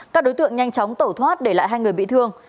các đối tượng nhanh chóng tẩu thoát để lại hai người bị thương